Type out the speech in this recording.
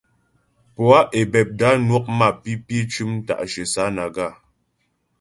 Poâ Ebebda nwɔk mapǐpi cʉm ta'shyə Sánaga.